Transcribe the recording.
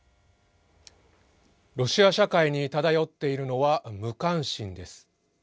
ロシア社会に漂っているのは無関心です。